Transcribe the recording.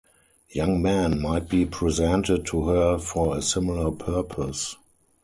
Young men might be presented to her for a similar purpose.